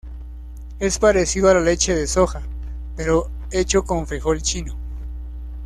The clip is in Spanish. Es parecido a la leche de soja, pero hecho con frijol chino.